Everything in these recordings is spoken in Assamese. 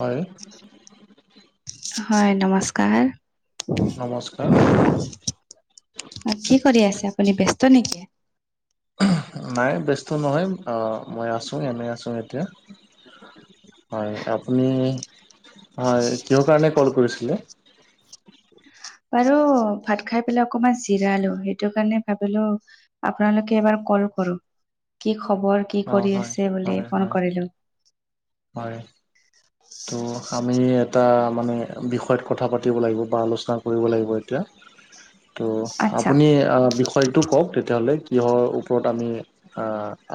হয় হয় নমস্কাৰ নমস্কাৰ অ কি কৰি আছে আপুনি ব্যস্ত নেকি নাই ব্যস্ত নহয় মই আছোং এনেই আছোং এতিয়া হয় আপুনি হয় কিহৰ কাৰণে কল কৰিছিলে আৰু ভাত খাই পেলাই অকমান জিৰালো সেইটো কাৰণে ভাবিলোঁ। আপোনালোকে এবাৰ কল কৰো কি খবৰ কি অ কৰি হয় আছে বুলি হয় ফন হয় কৰিলোঁ। হয়। তো আমি এটা মানে বিষয়ত কথা পাতিব লাগিব বা আলোচনা কৰিব লাগিব এতিয়া। [inaudible] ত' আচ্ছা আপুনি আ বিষ ষয়টো কওক তেতিয়াহ'লে কিহৰ ওপৰত আমি আ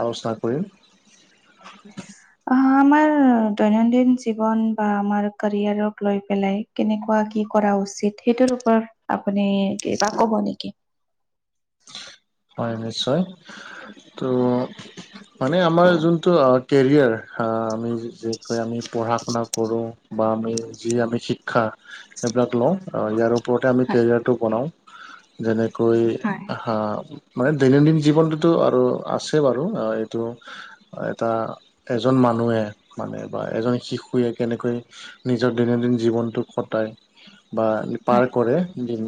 আলোচনা কৰিম। [unintelligible] অ', আমাৰ দৈনন্দিন জীৱন বা আমাৰ কাৰিয়াৰক লৈ পেলাই কেনেকুৱা কি কৰা উচিত সেইটোৰ ওপৰত আপুনি কিবা ক'ব নিকি? হয় নিশ্চয়। টো মানে আমাৰ যোনটো কেৰিয়াৰ অ, আমি যিটো কেনেকৈ আমি পঢ়া শুনা কৰো বা আমি যি আমি শিক্ষা সেইবিলাক লওঁ ইয়াৰ ওপৰতে আমি হয় কেৰিয়াৰটো বনাওঁ। যেনেকৈ হয় হা মানে দৈনন্দিন জীৱনটোতো আৰু আছে বাৰু আ এইটো এটা এজন মানুহে মানে বা এজন শিশুৱে কেনেকৈ নিজৰ দৈনন্দিন জীৱনটো কটাই বা পাৰ হয় কৰে দিন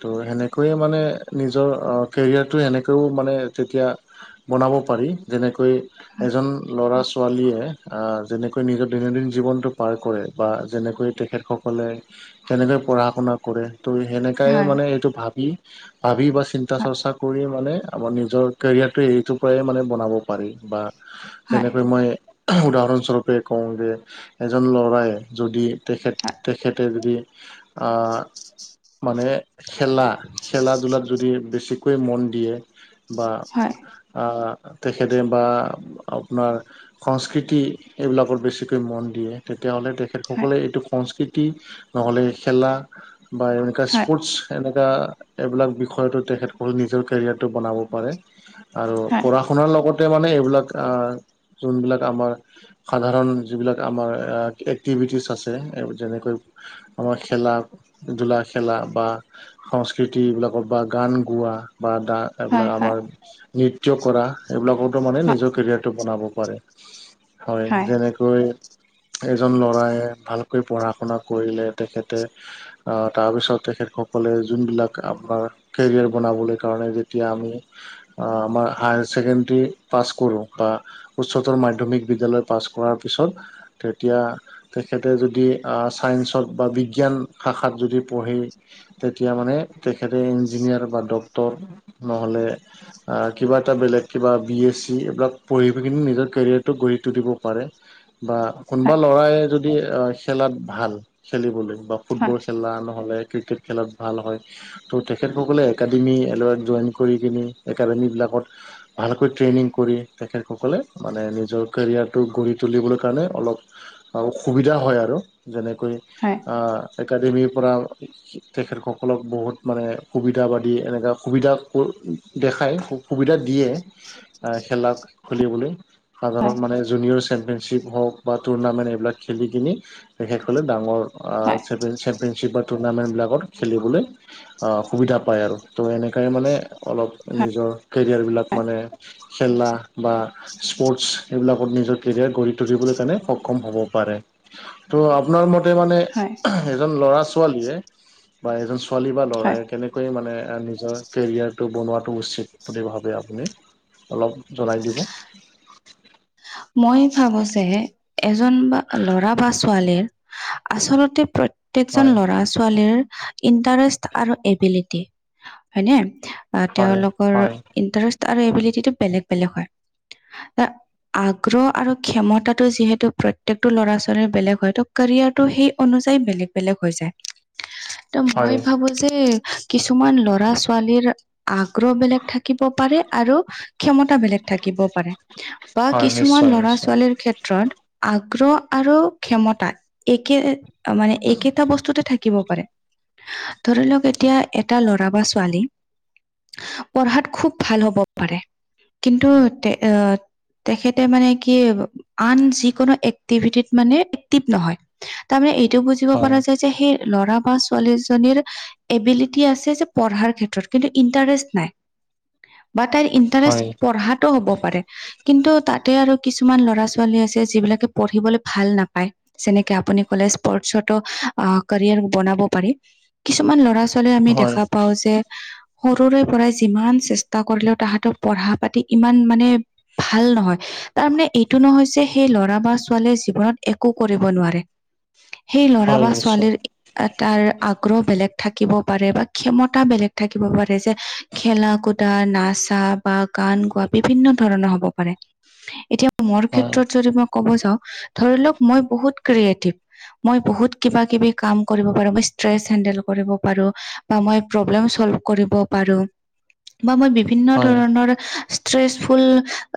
ত' সেনেকৈয়ে মানে নিজৰ অ কেৰিয়াৰটো এনেকৈও মানে তেতিয়া বনাব পাৰি। যেনেকৈ এজন ল'ৰা ছোৱালীয়ে আ যেনেকৈ নিজৰ দৈনন্দিন জীৱনটো পাৰ কৰে বা যেনেকৈ তেখেতসকলে কেনেদৰে পঢ়া- শুনা কৰে ত' সেনেকাই হয় মানে এইটো ভাবি, ভাবি বা চিন্তা হয় চৰ্চা কৰি মানে আমাৰ নিজৰ কেৰিয়াৰটো এইটোৰ পৰাই মানে বনাব পাৰি বা হয় যেনেকৈ মই উদাহৰণ স্বৰূপে কওঁ যে এজন ল'ৰাই যদি তেখেত তেখেতে যদি আ মানে খেলা, খেলা-ধূলাত যদি বেছি বেছিকৈ মন দিয়ে বা হয় আ তেখেতে বা আপোনাৰ সংস্কৃতি এইবিলাকত বেছিকৈ মন দিয়ে। তেতিয়াহ'লে হয় তেখেতসকলে এইটো সংস্কৃতি নহ'লে খেলা বা এনেকুৱা হয় স্পৰ্টছ এনেকা এইবিলাক বিষয়তো তেখেত [unintelligible] নিজৰ কেৰিয়াৰটো বনাব পাৰে আৰু হয় পঢ়া-শুনাৰ লগত তে মানে এইবিলাক আ যোনবিলাক আমাৰ সাধাৰণ যিবিলাক আমাৰ এ এক্টিভিটিছ আছে সেইবোৰ তেনেকৈ আমাৰ খেলা-ধূলা খেলা বা সংস্কৃতি এইবিলাকত বা গান গোৱা বা দা হয় হয় এইবিলাক হয় আমাৰ নৃত্য কৰা এইবিলাকতো মানে হয় নিজৰ কেৰিয়াৰটো বনাব পাৰে। হয় যেনেকৈ এজন ল'ৰাই ভালকৈ পঢ়া-শুনা কৰিলে তেখেতে আ তাৰ পিছত তেখেতসকলে যোনবিলাক আপনাৰ কেৰিয়াৰ বনাবলৈ কাৰণে যেতিয়া আমি আ আমাৰ হায়াৰ ছেকেণ্ডৰী পাছ কৰোঁ বা উচ্চতৰ মাধ্যমিক বিদ্যালয় পাছ কৰাৰ পিছত তেতিয়া তেখেতে যদি আ ছাইন্সত বা বিজ্ঞান শাখাত যদি পঢ়ে। তেতিয়া মানে তেখেতে ইঞ্জিনিয়াৰ বা ডক্তৰ নহ'লে আ কিবা এটা বেলেগ কিবা বি এছ চি এইবিলাক পঢ়ি পিনি নিজৰ কেৰিয়াৰটো গঢ়ি তুলিব পাৰে। বা কোনোবা হয় ল'ৰাই যদি অ, খেলাত ভাল খেলিবলে বা হয় ফুটবল খেলা নহ'লে ক্ৰিকেট খেলাত ভাল হয় ত' তেখেতসকলে একাডেমী ল'ৰাক জইন কৰি কিনি একাডেমীবিলাকত ভালকৈ ট্ৰেইনিং কৰি তেখেতসকলে মানে নিজৰ কেৰিয়াৰটো গঢ়ি তুলিবৰ কাৰণে অলপ অসুবিধা হয় আৰু যেনেকৈ হয় আ একাডেমীৰ পৰা তেখেতসকলক বহুত মানে সুবিধাবাদ দি এনেকুৱা সুবিধা দেখায় সুবিধা দিয়ে। আ খেলা খেলিবলৈ সাধাৰণ হয় মানে জুনিয়ৰ চেম্পিয়নশ্বিপ হওক বা টুৰ্ণামেণ্ট এইবিলাক খেলি কিনি তেখেতসকলে ডাঙৰ আ হয় চেম্প চেম্পিয়নশ্বিপৰ টুৰ্ণামেণ্টবিলাকত খেলিবলৈ আ সুবিধা পায় আৰু। টো এনেকাই মানে অলপ হয় নিজৰ কেৰিয়াৰবিলাক হয় মানে খেলা বা স্পৰ্টছ এইবিলাকত নিজৰ কেৰিয়াৰ গঢ়ি তুলিবলৈ কাৰণে সক্ষম হ'ব পাৰে। ত আ আপোনাৰ মতে মানে হয় এজন ল'ৰা-ছোৱালীয়ে বা এজন ছোৱালী বা ল'ৰাই হয় কেনে কৈ মানে নিজৰ কেৰিয়াৰটো বনোৱাটো উচিত বুলি ভাবে আপুনি অলপ জনাই দিব মই ভাবো যে এজন বা ল'ৰা বা ছোৱালীৰ আচলতে প্ৰত প্ৰত্যেকজন হয় ল'ৰা-ছোৱালীৰ ইণ্টাৰেষ্ট আৰু এবিলিটি হয়নে? আ হয় তেওঁলোকৰ হয় ইণ্টাৰেষ্ট আৰু এবিলিটিটো বেলেগ বেলেগ হয়। আ আগ্ৰহ আৰু ক্ষমতাটো যিহেতু প্ৰত্যেকটো ল'ৰা ছোৱালীৰ বেলেগ হয় তো কেৰিয়াৰটো সেই অনুযায়ী বেলেগ বেলেগ হৈ যায় ত হয় মই ভাবো যে কিছুমান ল'ৰা ছোৱালীৰ আগ্ৰহ বেলেগ থাকিব পাৰে আৰু ক্ষমতা বেলেগ থাকিব পাৰে বা হয় কিছুমান নিশ্চয় ল'ৰা নিশ্চয় ছোৱালী ক্ষেত্ৰত আগ্ৰহ আৰু ক্ষমতা একে মানে একেইটা বস্তুতে থাকিব পাৰে। ধৰি লওক এতিয়া নিশ্চয় এটা ল'ৰা বা ছোৱালী পঢ়াত খুব ভাল হ'ব পাৰে কিন্তু তে এ তেখেতে মানে কি আন যিকোনো এক্টিভিটিত মানে এক্টিভ নহয়। তাৰমানে এইটো বুজিব হয় পৰা যায় যে সেই ল'ৰা বা ছোৱালীজনীৰ এবিলিটি আছে যে পঢ়াৰ ক্ষেত্ৰত কিন্তু ইণ্টাৰেষ্ট নাই বা তাইৰ ইণ্টাৰেষ্ট হয় পঢ়াতো হ'ব পাৰে। কিন্তু তাতে আৰু কিছুমান ল'ৰা ছোৱালী আছে যিবিলাকে পঢ়িবলে ভাল নাপায় যেনেকে আপুনি কলে স্পৰ্টছটো কেৰিয়াৰ বনাব পাৰি। কিছুমান ল'ৰা ছোৱালীৰ আমি হয় দেখা পাও যে সৰুৰে পৰাই যিমান চেষ্টা কৰিলেও তাহাঁতক পঢ়া পাতি ইমান মানে ভাল নহয়। তাৰমানে এইটো নহয় যে সেই লৰা বা ছোৱালীয়ে জীৱনত একো কৰিব নোৱাৰে সেই ল'ৰা হয় বা নিশ্চয় ছোৱালীৰ এ তাৰ আগ্ৰহ বেলেগ থাকিব পাৰে বা ক্ষমতা বেলেগ থাকিব পাৰে যে খেলা, কুদা, নাচা বা গান গোৱা বিভিন্ন ধৰণৰ হব পাৰে, এতিয়া মোৰ হয় ক্ষেত্ৰত যদি মই ক'ব যাও ধৰি লওক মই বহুত ক্ৰিয়েটিভ মই বহুত কিবা কিবি কাম কৰিব পাৰো মই ষ্ট্ৰেচ হেন্দেল কৰিব পাৰো বা মই প্ৰব্লেম চল্ফ কৰিব পাৰো বা মই বিভি ভিন্ন হয় ধৰণৰ ষ্ট্ৰেচফুল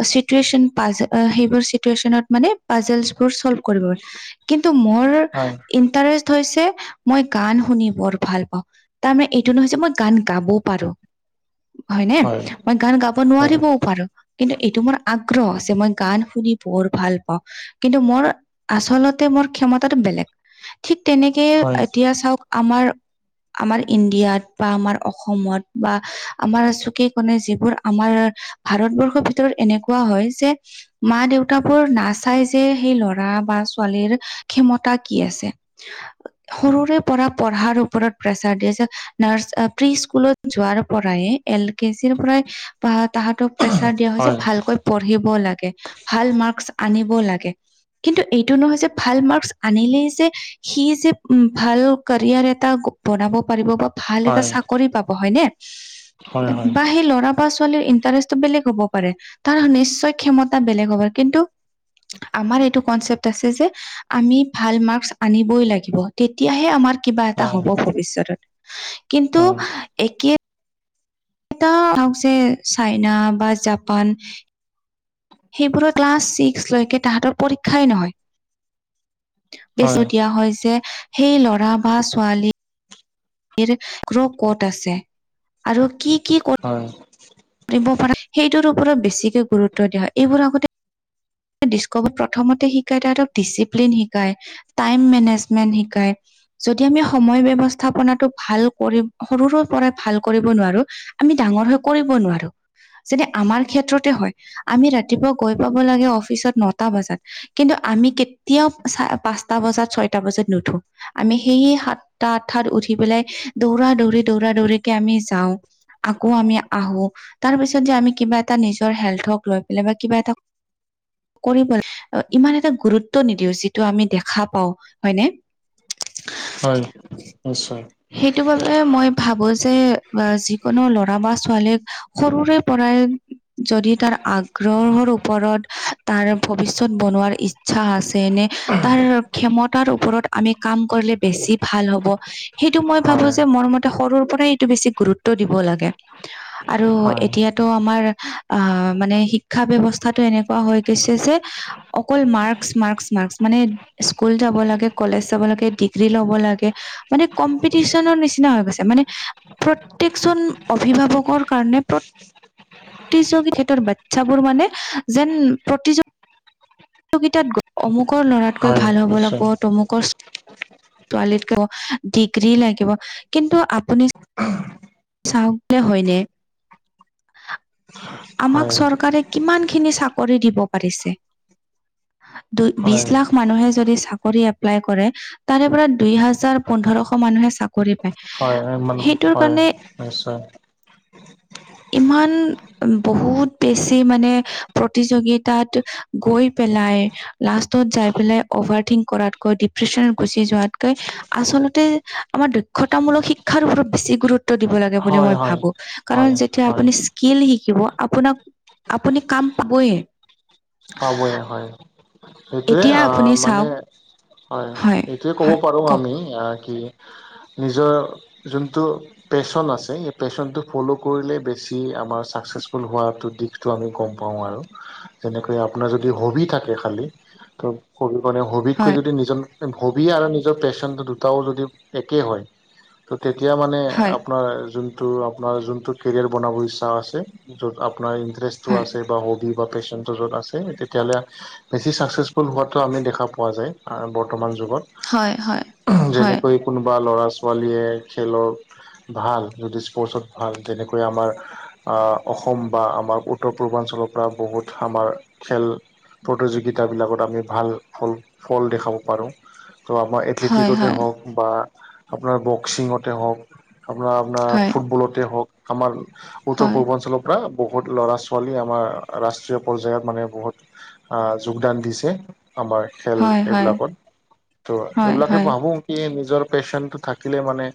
চিটুৱেচন পাছ সেইবোৰ চিটুৱেচনত মানে পাজেলছোৰ চলভ কৰিব মোৰ হয় ইন্টাৰেচ হৈছে মই গান শুনি বৰ ভাল পাওঁ তাৰমানে এইটো নহয় যে মই গান গাবও পাৰো। হয় নে মই গান গাব হয় নোৱাৰিবও পাৰো। কিন্তু এইটো মোৰ আগ্ৰহ যে মই গান শুনি বৰ ভাল পাওঁ। কিন্তু মোৰ আচলতে মোৰ ক্ষমতাটো বেলেগ ঠিক তেনেকে হয় এতিয়া চাওক আমাৰ আমাৰ ইণ্ডিয়াত বা আমাৰ অসমত বা আমাৰ চুকে কোণে যিবোৰ আমাৰ ভাৰতবৰ্ষৰ ভিতৰত এনেকুৱা হয় যে মা দেউতাবোৰ নাচাই যে সেই লৰা বা ছোৱালীৰ ক্ষমতা কি আছে। সৰুৰে পৰা পঢ়াৰ ওপৰত প্ৰেছাৰ দিয়ে যে নাৰ্ছ প্ৰি স্কুলত যোৱাৰ পৰাই এল কে জিৰ পৰাই বা তাহাঁতক প্ৰেচাৰ দিয়া হয় যে ভালকৈ পঢ়িব লাগে, ভাল মাৰ্কচ আনিব লাগে। কিন্তু এইটো নহয় যে ভাল মাৰ্কচ আনিলেই যে সি যে উম ভাল কেৰিয়াৰ এটা বনাব পাৰিব বা ভাল এটা হয় চাকৰি পাব হয়নে হয় হয় বা সেই ল'ৰা বা ছোৱালীৰ ইণ্টাৰেষ্টটো বেলেগ হ'ব পাৰে তাৰ নিশ্চয় ক্ষমতা বেলেগ হব কিন্তু আমাৰ এইটো কনচেপ্ট আছে যে আমি ভাল মাৰ্কচ আনিবই লাগিব তেতিয়াহে আমাৰ কিবা এটা হয় হ'ব ভৱিষ্যতত কিন্তু একে এতিয়া চাওক যে চাইনা বা জাপান সেইবোৰৰ ক্লাছ ছিক্সলৈকে তাহাঁতৰ পৰীক্ষাই নহয়। বেছু দিয়া হয় যে সেই ল'ৰা বা ছোৱালী ৰ গ্ৰ ক'ত আছে আৰু কি কি ক হয়। কৰিব পাৰা সেইটোৰ ওপৰত বেছিকে গুৰুত্ব দিয়া হয়। এইবোৰ আগতে ডিছকভত প্ৰথমতে শিকায় তাহাঁতক ডিচিপ্লিন শিকায়। টাইম মেনেজমেণ্ট শিকায়। যদি আমি সময় ব্যৱস্থাপনাটো ভাল কৰি সৰুৰ পৰা ভাল কৰিব নোৱাৰো। আমি ডাঙৰ হৈ কৰিব নোৱাৰো। যেতিয়া আমাৰ ক্ষেত্ৰতে হয়। আমি ৰাতিপুৱা গৈ পাব লাগে অফিচত নটা বাজাত। কিন্তু আমি কেতিয়াও চ পাঁচটা বজাত, ছয়টা বজাত নুঠো। আমি সেইয়ে সাতটা, আঠটাত উঠি পেলাই দৌৰা-দৌৰি, দৌৰা-দৌৰিকে আমি যাওঁ। কাকো আমি আহো তাৰ পিছত যে আমি কিবা এটা নিজৰ হেল্থক লৈ পেলাই বা কিবা এটা কৰিবলে ইমান এটা গুৰুত্ব নিদিও যিটো আমি দেখা পাও, হয়নে? হয়, নিশ্চয়। সেইটো বাবে মই ভাবো যে যিকোনো ল'ৰা বা ছোৱালীক সৰুৰে পৰাই যদি তাৰ আগ্ৰহৰ ওপৰত তাৰ ভৱিষ্যত বনোৱাৰ ইচ্ছা আছে নে তাৰ ক্ষমতাৰ ওপৰত আমি কাম কৰিলে বেছি ভাল হ'ব, সেইটো মই ভাবো হয় যে মৰ মত সৰুৰ পৰাই এইটো বেছি গুৰুত্ব দিব লাগে আৰু হয় এতিয়া টো আমাৰ আ মানে শিক্ষা ব্যৱস্থাটো এনেকুৱা হৈ গেইছে যে অকল মাৰ্কছ, মাৰ্কছ, মাৰ্কছ। মানে স্কুল যাব লাগে, কলেজ যাব লাগে ডিগ্ৰী ল'ব লাগে। মানে কম্পিটিচনৰ নিচিনা হৈ গৈছে মানে প্ৰত্যেকজন অভিভাৱকৰ কাৰণে প্ৰ প্ৰতিযগী সিহঁতৰ বাচ্ছাবোৰ মানে যেন প্ৰতিযগ প্ৰতিযোগিতাত অমুকৰ ল'ৰাতকৈ হয় ভাল হ'ব নিশ্চয় লাগব', তমুকৰ- [unintelligible] ডিগ্ৰী লাগিব কিন্তু আপুনি চাওঁক তে হয়নে? আমাক হয় চৰকাৰে কিমানখিনি চাকৰি দিব পাৰিছে? দুই হয় বিছ লাখ মানুহে যদি চাকৰি এপ্লাই কৰে তাৰেপৰা দুই হাজাৰ পোন্ধৰশ মানুহে চাক কৰি পায় হয় মানে সেইটোৰ হয় কাৰণে নিশ্চয় ইমান বহুত বেছি মানে প্ৰতিযগিতাত গৈ পেলাই লাষ্টত যাই পেলাই অভাৰ থিংক কৰাতকৈ ডিপ্ৰেচনত গুচি যোৱাতকৈ আচলতে আমাৰ দক্ষতামূলক শিক্ষাৰ ওপৰত বেছি গুৰুত [unintelligible] দিব লাগে বুলি হয় মই হয় ভাবো। কাৰণ হয় যেতিয়া হয় আপুনি চি কিল শিকিব আপোনাক আপুনি কাম পাবয়ে। পাবয়ে হয় সেইটোৱে। এতিয়া অ আপুনি মানে চাওক হয়। এইটোৱে ক'ব হয় পাৰো কওক আমি কি নিজৰ যোনটো পেশ্বন আছে সেই পেশ্বনটো ফল' কৰিলেই বেছি আমাৰ ছাকচেছফুল হোৱাটো দিশ টো আমি গম পাওঁ আৰু হেনে কে আপোনাৰ যদি হবি থাকে খালী। ত' হবি মানে হবতকৈ হয় যদি নিজন হবি আৰু নিজৰ পেশ্বনটো দুটাও যদি একে হয়। ত' তেতিয়া মানে হয় আপোনাৰ যোনটো আপোনাৰ যোনটো কেৰিয়াৰ বনাব ইচ্ছা আছে। য'ত আপোনাৰ ইণ্টাৰেষ্টটো হয় আছে বা হবি বা পেশ্বন য'তত আছে তেতিয়াহ'লে বেছি ছাকচেছফুল হোৱাটো আমি দেখা পোৱা যায় বৰ্তমান যুগত। হয় হয় হয় যেনেকৈ কোনোবা ল'ৰা-ছোৱালীয়ে খেলৰ ভাল যদি স্পৰ্টচত ভাল যেনেকৈ আমাৰ আ অসম বা আমাৰ উত্তৰ পূৰ্বাঞ্চলৰ পৰা বহুত আমাৰ খেল প্ৰতিযোগিতাবিলাকত আমি ভাল ফল ফল দেখাব পাৰোঁ। ত' আমাৰ হয় এথলেটিকতে হয় হওক বা আপোনাৰ বক্সিঙতে হওক আপোনাৰ আপোনাৰ হয় ফুটবলতে হওঁক আমাৰ উত্তৰ হয় পূৰ্বাঞ্চলত বহুত ল'ৰা ছোৱালী আমাৰ ৰাষ্ট্ৰীয় পৰ্যায়ত মানে বহুত আ যোগদান দিছে। আমাৰ খেল হয় হয় এইবিলাকত ত' হয় এইবিলাকে হয় ভাবোঁ কি নিজৰ পেশ্বনটো থাকিলে মানে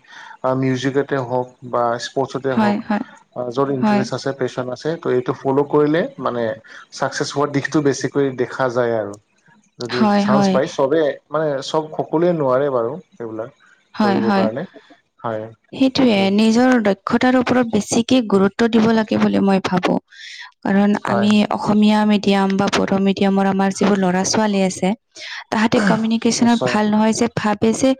বা মিউজিকতে হওঁক বা স্পৰ্টচতে হয়, হওঁক হয়, বা য'ত হয়। ইনটেৰেচত আছে পেশ্বন আছে ত' এইটো ফল কৰিলে মানে ছাকচেছ হোৱা দিশটো বেছিকৈ দেখা যায় আৰু যদি হয়, চান্স হয়, পায় চবে মানে চব সকলোৱে নোৱাৰে বাৰু এইবিলাক। হয় হয় সেইটোৱে ঠিক নিজৰ দক্ষ দক্ষতাৰ ওপৰত বেছিকে গুৰুত্ব দিব লাগে বুলি মই ভাবোঁ। কাৰণ হয় আমি অসমীয়া মেডিয়াম বা বড়ো মেডিয়ামৰ আমাৰ যিবোৰ ল'ৰা ছোৱালী আছে। তাহাঁতে কমিউনিকেশ্বনত নিশ্চয় ভাল নহয় যে ভাবে যে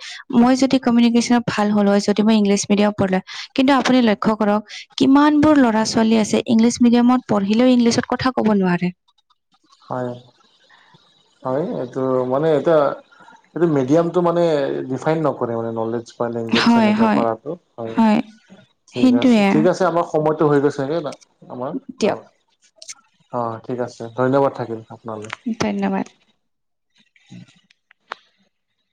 মই যদি কমিউনিকেশ্বনত ভাল হ'লো হয় যদি মই ইংলিছ মিডিয়াম পঢ়িলো হয়, কিন্তু আপুনি লক্ষ্য কৰক কিমানবোৰ ল'ৰা ছোৱালী আছে ইংলিছ মিডিয়ামত পঢ়িলেও ইংলিছত কথা ক'ব নোৱাৰে। হয়, হয় এইটো মানে এতিয়া এইটো মিডিয়ামটো মানে ডিফাইন নকৰে মানে নলেজ লেংগুৱেজ হয়, সেনেকে হয়, কৰাটো হয়, ঠিক আছে, সেইটোৱে ঠিক আছে আমাৰ সময়টো হৈ গৈছে সেই বা আমাৰ আৰু দিয়ক অঁ ঠিক আছে। ধন্যবাদ থাকিল আপোনালে। ধন্যবাদ। [unintelligible]